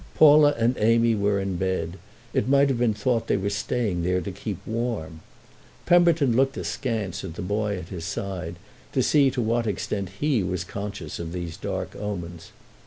Paula and Amy were in bed—it might have been thought they were staying there to keep warm. Pemberton looked askance at the boy at his side, to see to what extent he was conscious of these dark omens.